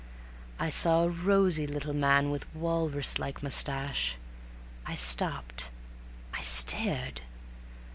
I saw a rosy little man with walrus like mustache ... I stopped, I stared.